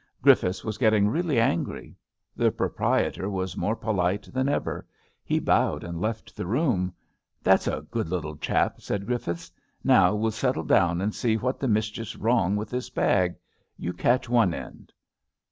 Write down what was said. *' Griffiths was getting really angry. The pro prietor was more polite than ever. He bowed and left the room. " That's a good little chap," said Griffiths. Now we'll settle down and see what the mischief's wrong with this bag. tYou catch one end."